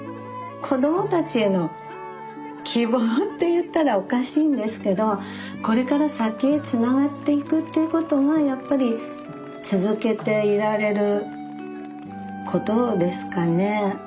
子供たちへの希望っていったらおかしいんですけどこれから先へつながっていくっていうことがやっぱり続けていられることですかね。